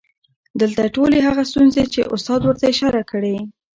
دلته ټولې هغه ستونزې چې استاد ورته اشاره کړى